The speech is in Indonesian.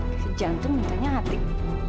kasih jantung minta nyatik